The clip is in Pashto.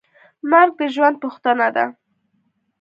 مرګ د ژوند پوښتنه ده.